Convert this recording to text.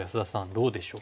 どうでしょう？